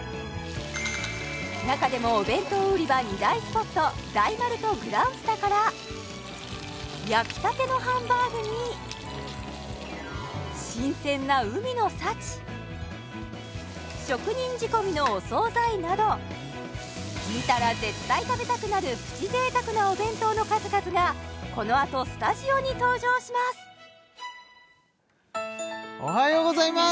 中でもお弁当売り場２大スポット大丸とグランスタから焼きたてのハンバーグに新鮮な海の幸職人仕込みのお惣菜など見たら絶対食べたくなるプチ贅沢なお弁当の数々がこのあとスタジオに登場しますおはようございます！